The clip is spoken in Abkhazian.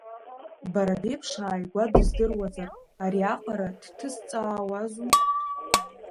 Бара беиԥш ааигәа дыздыруазар ари аҟара дҭысҵаауазу?